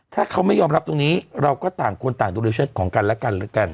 ถ้าเขาไม่ยอมรับตรงนี้เราก็ต่างคนต่างดุริเชิดของกันและกันแล้วกัน